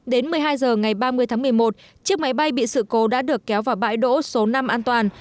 đến một mươi hai h ngày ba mươi tháng một mươi một chiếc máy bay bị sự cố đã được kéo vào bãi đỗ số năm an toàn